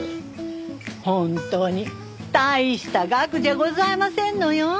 本当に大した額じゃございませんのよ。